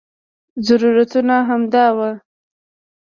ضرورتونه همدا وو.